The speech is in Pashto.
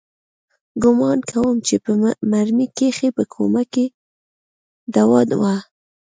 ګومان کوم چې په مرمۍ کښې به کومه دوا وه.